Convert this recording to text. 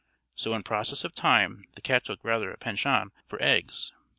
So in process of time the cat took rather a penchant for eggs.